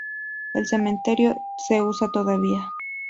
El cementerio se usa todavía.